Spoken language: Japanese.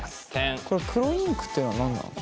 これ黒インクっていうのは何なの？